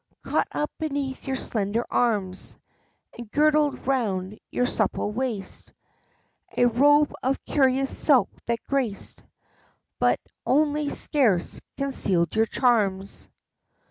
Caught up beneath your slender arms, and girdled 'round your supple waist, A robe of curious silk that graced, but only scarce concealed your charms.